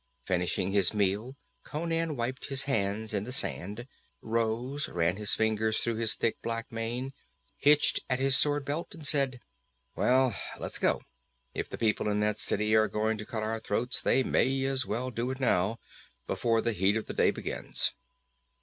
Finishing his meal, Conan wiped his hands in the sand, rose, ran his fingers through his thick black mane, hitched at his sword belt and said: "Well, let's go. If the people in that city are going to cut our throats they may as well do it now, before the heat of the day begins."